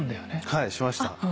はいしました。